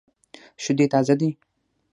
شودې تازه دي.